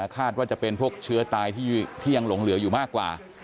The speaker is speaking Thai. คาดว่าจะเป็นพวกเชื้อตายที่ยังหลงเหลืออยู่มากกว่า